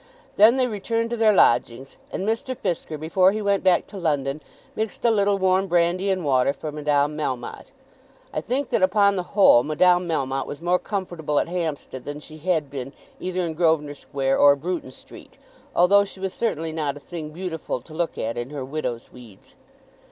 Then they returned to their lodgings, and Mr. Fisker, before he went back to London, mixed a little warm brandy and water for Madame Melmotte. I think that upon the whole Madame Melmotte was more comfortable at Hampstead than she had been either in Grosvenor Square or Bruton Street, although she was certainly not a thing beautiful to look at in her widow's weeds.